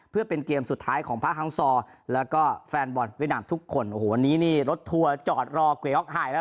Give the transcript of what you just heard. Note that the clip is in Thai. เพื่อเป็นเกมสุดท้ายของพระฮังซอร์แล้วก็แฟนบอลเวียดนามทุกคนโอ้โหวันนี้นี่รถทัวร์จอดรอเกวียออกหายแล้ว